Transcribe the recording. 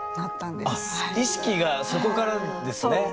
意識がそこからですね？